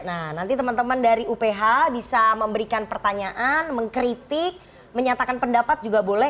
nah nanti teman teman dari uph bisa memberikan pertanyaan mengkritik menyatakan pendapat juga boleh